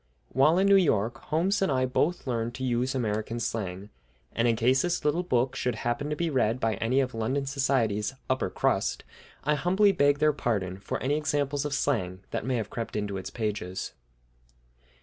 While in New York Holmes and I both learned to use American slang, and in case this little book should happen to be read by any of London society's "upper crust," I humbly beg their pardon for any examples of slang that may have crept into its pages.